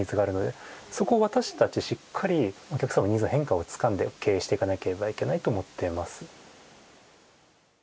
そこを私たちがしっかりお客様のニーズの変化をつかんで経営していかなければいけないと思っています。